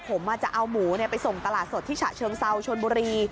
ผมจะเอาหมูไปส่งตลาดสดที่ฉะเชิงเซาชนบุรี